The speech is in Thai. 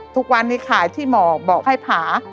ทุกวันนี้ขายที่หมอกบอกให้ผา